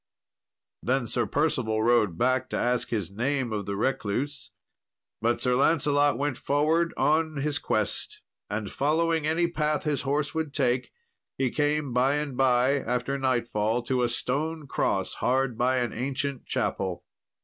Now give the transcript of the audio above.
Then Sir Percival rode back to ask his name of the recluse; but Sir Lancelot went forward on his quest, and following any path his horse would take, he came by and by after nightfall to a stone cross hard by an ancient chapel.